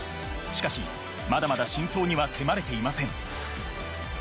しかしまだまだ真相には迫れていません